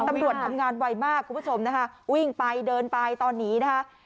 ตำรวจทำงานไวมากคุณผู้ชมนะคะวิ่งไปเดินไปตอนนี้นะคะ